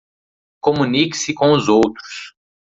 Comunique-se com os outros